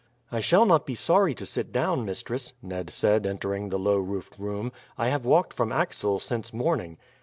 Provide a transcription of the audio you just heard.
"I shall not be sorry to sit down, mistress," Ned said entering the low roofed room. "I have walked from Axel since morning."